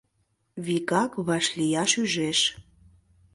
Вигак вашлияш ӱжеш.